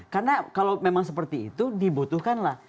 karena kalau memang seperti itu dibutuhkanlah